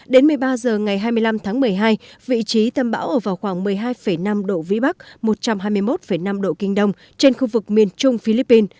đến một mươi ba h ngày hai mươi năm tháng một mươi hai vị trí tâm bão ở vào khoảng một mươi hai năm độ vĩ bắc một trăm hai mươi một năm độ kinh đông trên khu vực miền trung philippines